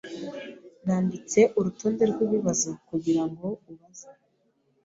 Nanditse urutonde rwibibazo kugirango ubaze .